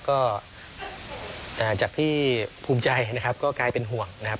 ก็จากพี่ภูมิใจนะครับก็กลายเป็นห่วงนะครับ